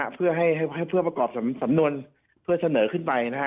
เพื่อให้เพื่อประกอบสำนวนเพื่อเสนอขึ้นไปนะฮะ